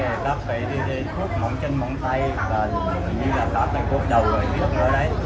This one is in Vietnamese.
nên là bán về các cái khúc móng chân móng tay và hình như là các cái cốt đầu ở phía trước đó đấy